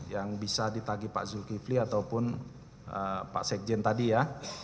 yang bisa ditagi pak zulkifli ataupun pak sekjen tadi ya